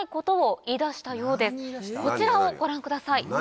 こちらをご覧ください。